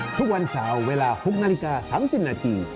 ทุกวันเสาร์เวลา๖นาฬิกา๓๐นาที